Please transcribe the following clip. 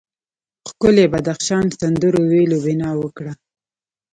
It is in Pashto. ښکلي بدخشان سندرو ویلو بنا وکړه.